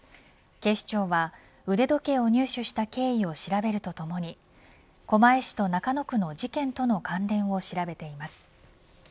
警視庁は腕時計を入手した経緯を調べるとともに狛江市と中野区の事件との関連を調べています。